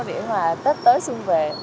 để mà tết tới xuân về